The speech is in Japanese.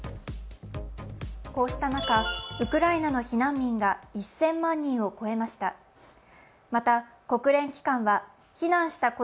こうした中、ウクライナの避難民が１０００万人を超えました。